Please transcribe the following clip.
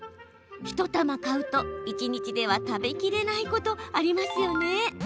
１玉買うと、一日では食べきれないことありますよね。